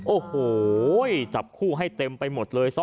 โอ้โหจับคู่ให้เต็มไปหมดเลย